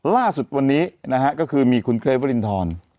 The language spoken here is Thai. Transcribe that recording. ล่าสุดวันนี้ก็คือมีคุณเครพฤษฏร